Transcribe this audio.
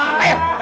tuh tuh tuh